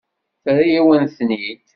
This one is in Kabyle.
Terra-yawen-ten-id.